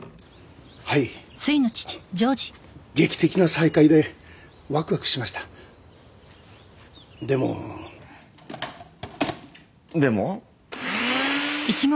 はい劇的な再会でワクワクしましたでもでも？